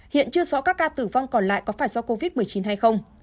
hiện chưa rõ các ca tử vong còn lại có phải do covid một mươi chín hay không